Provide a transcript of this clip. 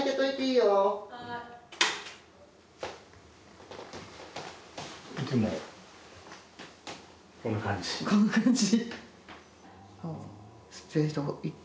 いつもこんな感じ？